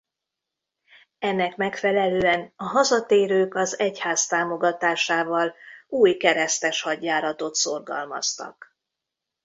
Ennek megfelelően a hazatérők az egyház támogatásával új keresztes hadjáratot szorgalmaztak.